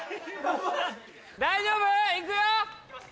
大丈夫？行くよ。